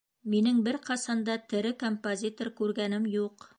Минең бер ҡасан да тере композитор күргәнем юҡ.